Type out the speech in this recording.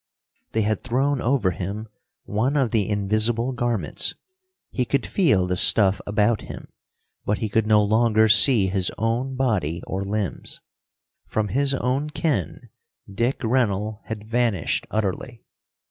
They had thrown over him one of the invisible garments. He could feel the stuff about him, but he could no longer see his own body or limbs. From his own ken, Dick Rennell had vanished utterly.